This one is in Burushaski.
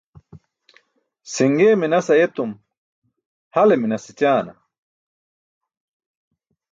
Si̇ṅe minas ayetum hale minas écaana?